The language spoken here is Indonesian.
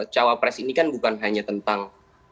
cawa pres ini kan bukan hanya tentang